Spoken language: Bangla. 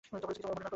কিছু মনে না করলে?